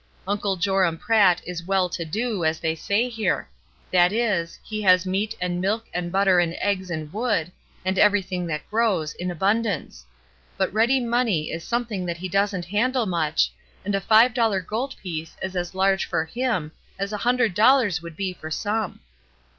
Uncle Joram Pratt is 'well to do,' as they say here; that is, he has meat and milk and butter and eggs and wood, and everything that grows, in abundance; but ready money is something that he doesn't han dle much, and a five dollar gold piece is as large for him as a hundred dollars would be for some."